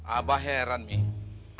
abah heran nih